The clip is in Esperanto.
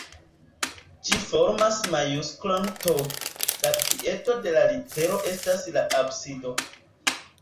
Ĝi formas majusklon T, la piedo de la litero estas la absido.